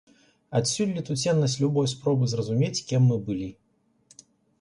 Адсюль летуценнасць любой спробы зразумець, кім мы былі.